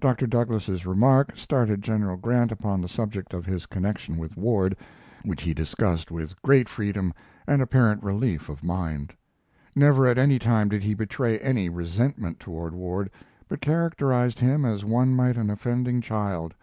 Dr. Douglas's remark started General Grant upon the subject of his connection with Ward, which he discussed with great freedom and apparent relief of mind. Never at any time did he betray any resentment toward Ward, but characterized him as one might an offending child.